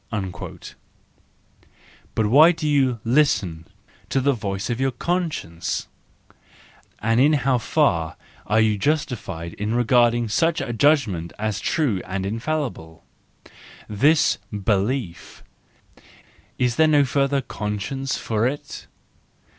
"—But why do you listen to the voice of your conscience ? And in how far are you justified in regarding such a judgment as true and infallible? This belief— is there no further conscience for it?